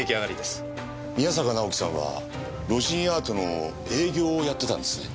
宮坂直樹さんはロジンアートの営業をやってたんですね？